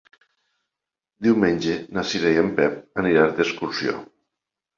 Diumenge na Cira i en Pep aniran d'excursió.